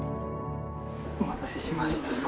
お待たせしました。